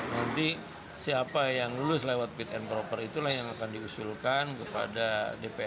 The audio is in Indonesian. nanti siapa yang lulus lewat fit and proper itulah yang akan diusulkan kepada dpr